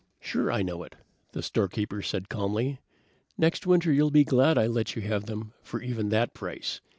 "Sure I know it," the storekeeper said calmly. "Next winter you'll be glad I let you have them for even that price.